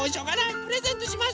プレゼントします。